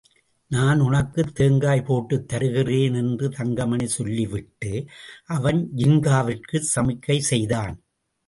நான் உனக்குத் தேங்காய் போட்டுத் தருகிறேன் என்று தங்கமணி சொல்லி விட்டு அவன் ஜின்காவிற்குச் சமிக்கை செய்தான்.